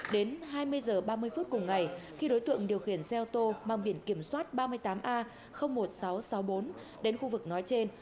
đến hai mươi h ba mươi phút cùng ngày khi đối tượng điều khiển xe ô tô mang biển kiểm soát ba mươi tám a một nghìn sáu trăm sáu mươi bốn đến khu vực nói trên